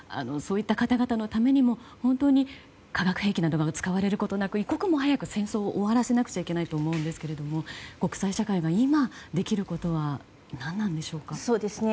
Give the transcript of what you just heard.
そういった方々のためにも本当に化学兵器などが使われることなく、一刻も早く戦争を終わらせなくちゃいけないと思うんですけど国際社会が今できることは何なのでしょうか。